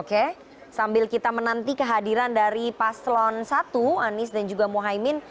oke sambil kita menanti kehadiran dari paslon satu anies dan juga mohaimin